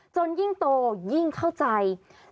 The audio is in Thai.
ยิ่งโตยิ่งเข้าใจ